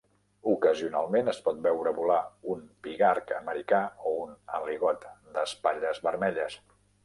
Ocasionalment es pot veure volar un pigarg americà o un aligot d'espatlles vermelles.